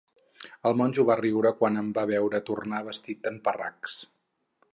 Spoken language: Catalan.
El monjo va riure quan em va veure tornar vestit en parracs.